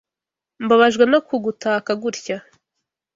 Mbabajwe no kugutaka gutya.